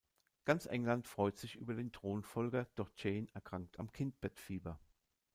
Ganz England freut sich über den Thronfolger, doch Jane erkrankt am Kindbettfieber.